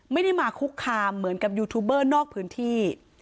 ไม่ได้มาคุกคามเหมือนกับยูทูบเบอร์นอกพื้นที่